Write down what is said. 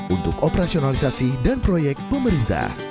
untuk operasionalisasi dan proyek pemerintah